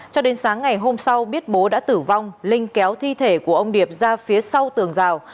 cho đến sáng ngày hôm sau biết bố đã tử vong linh kéo thi thể của ông điệp ra phía sau tường rào